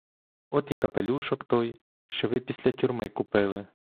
От і капелюшок той, що ви після тюрми купили.